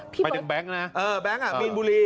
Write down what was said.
ไปถึงแบงค์นะอ่าแบงค์น่ะมินบุลี